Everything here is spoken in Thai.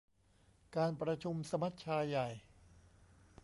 การประชุมสมัชชาใหญ่